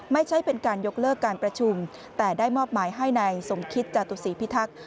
ไม่ใช่เป็นการยกเลิกการประชุมแต่ได้มอบหมายให้นายสมคิตจาตุศีพิทักษ์